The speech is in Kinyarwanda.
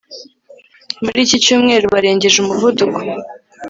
muri iki cyumweru barengeje umuvuduko